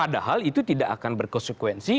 padahal itu tidak akan berkonsekuensi